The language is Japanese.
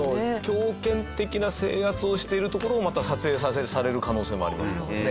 強権的な制圧をしているところをまた撮影される可能性もありますからね。